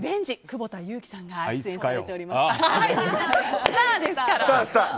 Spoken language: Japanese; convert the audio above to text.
久保田悠来さんが出演されております。